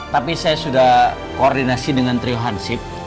tapi saya sudah koordinasi dengan triwansip